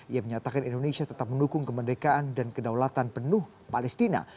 ia menyatakan indonesia tetap mendukung kemerdekaan dan kedaulatan penuh palestina